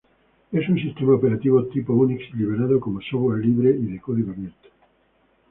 Es un sistema operativo tipo Unix liberado como software libre y de código abierto.